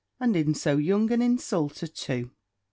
And in so young an insulter too!